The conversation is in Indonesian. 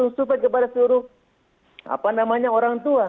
saya langsung survei kepada seluruh orang tua